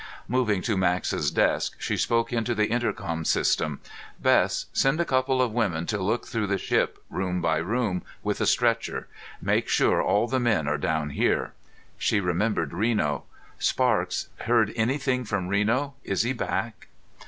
Moving to Max's desk, she spoke into the intercom system: "Bess, send a couple of women to look through the ship, room by room, with a stretcher. Make sure all the men are down here." She remembered Reno. "Sparks, heard anything from Reno? Is he back?"